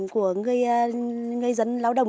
của người dân lão đồng